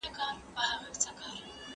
آیا موږ د بشري حقونو رعایت کوو؟